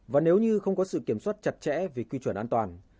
và nếu như không có sự kiểm soát chặt chẽ về quy chuẩn an toàn